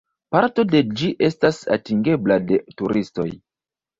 Parto de ĝi estas atingebla de turistoj.